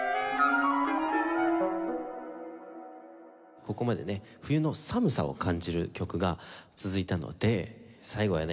ここまでね冬の寒さを感じる曲が続いたので最後はね